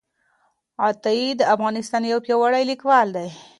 عطايي د افغانستان یو پیاوړی لیکوال و.